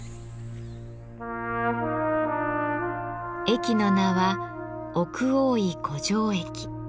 駅の名は奥大井湖上駅。